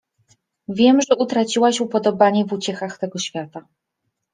— Wiem, że utraciłaś upodobanie w uciechach tego świata.